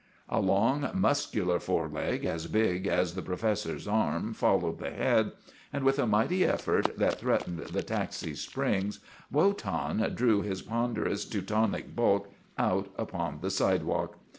A long, muscular foreleg, as big as the pro fessor's arm, followed the head, and with a mighty effort that threatened the taxi's springs, Wotan drew his ponderous Teutonic bulk out upon the sidewalk.